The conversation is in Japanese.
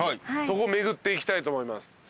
そこ巡っていきたいと思います。